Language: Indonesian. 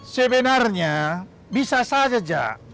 sebenarnya bisa saja jak